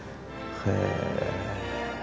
へえ。